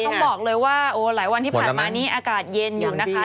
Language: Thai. ต้องบอกเลยว่าโอ้หลายวันที่ผ่านมานี้อากาศเย็นอยู่นะคะ